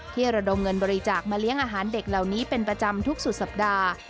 ระดมเงินบริจาคมาเลี้ยงอาหารเด็กเหล่านี้เป็นประจำทุกสุดสัปดาห์